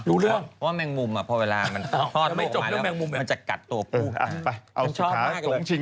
รู้เรื่องว่าแมงมุมพอเวลามันทอดมามันจะกัดตัวปุ้ง